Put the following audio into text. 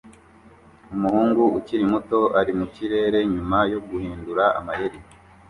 Umuhungu ukiri muto ari mu kirere nyuma yo guhindura amayeri